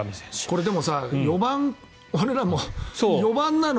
これでもさ俺らも４番なの？